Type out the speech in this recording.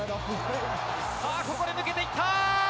さあ、ここで抜けていった。